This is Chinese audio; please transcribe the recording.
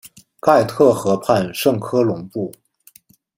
盖特河畔圣科隆布。